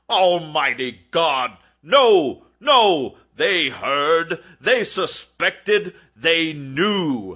Almighty God!—no, no! They heard!—they suspected!—they knew!